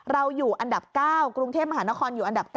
อยู่อันดับ๙กรุงเทพมหานครอยู่อันดับ๙